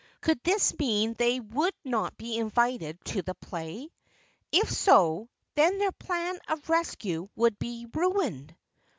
Could this mean they would not be invited to the play? If so, then their plan of rescue would be ruined.